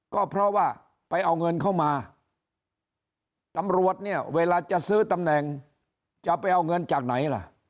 ก็เพราะว่าไปเอาเงินเข้ามาตำรวจเนี่ยเวลาจะซื้อตำแหน่งจะไปเอาเงินจากไหนล่ะ